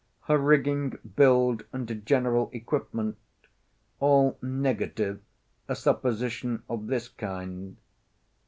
Her rigging, build, and general equipment, all negative a supposition of this kind.